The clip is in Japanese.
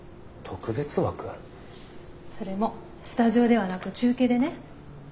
それもスタジオではなく中継でね。